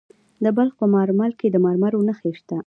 د بلخ په مارمل کې د مرمرو نښې شته.